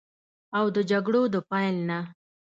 او د جګړو د پیل نه